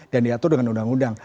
dan diatur dengan undang undang